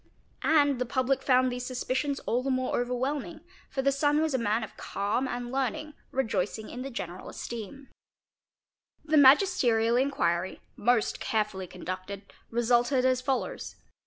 And the public found these suspicions all the more overwhelming, for the son was a man of calm and learning, erin ala ies oa ara ees meer "er > ae D 3 ve eae rejoicing in the general esteem. The magisterial i inquiry, most carefully conducted, resulted as follows.